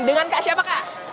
dengan kak siapa kak